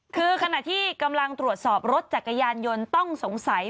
คือกำหนะที่กำลังตรวจสอบรถจักรยานยนตรงสงสัย